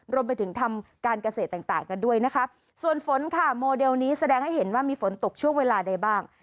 รวมไปถึงทำการเกษตรต่างกันด้วยนะคะส่วนฝนค่ะโมเดลนี้แสดงให้เห็นว่ามีฝนตกช่วงเวลาใดบ้าง